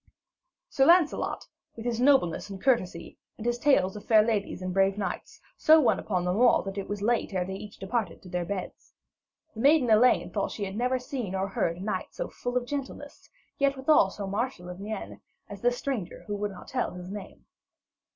Sir Lancelot, with his nobleness and courtesy, and his tales of fair ladies and brave knights, so won upon them all, that it was late ere they each departed to their beds. The maiden Elaine thought that she had never seen or heard of a knight so full of gentleness, yet withal so martial of mien, as this stranger who would not tell his name.